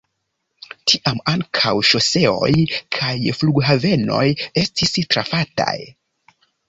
Tiam ankaŭ ŝoseoj kaj flughavenoj estis trafataj.